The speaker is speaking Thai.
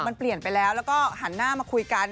มันเปลี่ยนไปแล้วแล้วก็หันหน้ามาคุยกัน